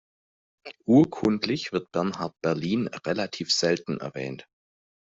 Urkundlich wird Bernhard Berlin relativ selten erwähnt.